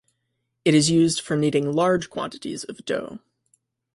It is used for kneading large quantities of dough.